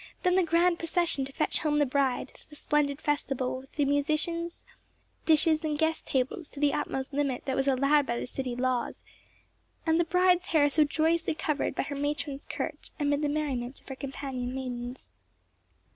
—then the grand procession to fetch home the bride, the splendid festival with the musicians, dishes, and guest tables to the utmost limit that was allowed by the city laws, and the bride's hair so joyously covered by her matron's curch amid the merriment of her companion maidens.